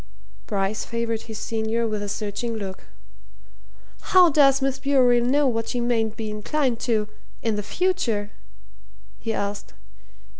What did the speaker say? Bryce favoured his senior with a searching look. "How does Miss Bewery know that she mayn't be inclined to in the future?" he asked.